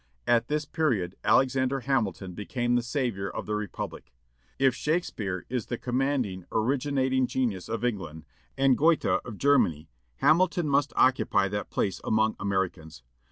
At this period Alexander Hamilton became the savior of the republic. If Shakespeare is the commanding originating genius of England, and Goethe of Germany, Hamilton must occupy that place among Americans.